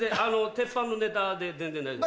てっぱんのネタで全然大丈夫。